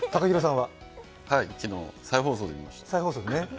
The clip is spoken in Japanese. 昨日、再放送で見ました。